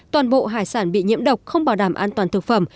toàn bộ hải sản bị nhiễm độc không bảo đảm an toàn thực phẩm